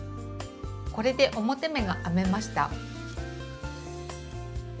これで表目が編めました。